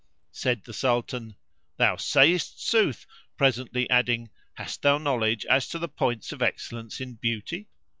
Said the Sultan, "Thou sayest sooth," presently adding, "Hast thou knowledge as to the points of excellence in beauty?"